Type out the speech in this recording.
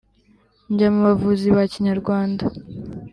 njya mu bavuzi ba kinyarwanda